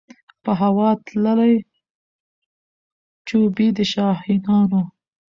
په هوا تللې جوپې د شاهینانو